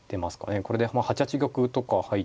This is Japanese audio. これで８八玉とか入ったりとか。